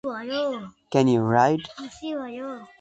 Can you ride?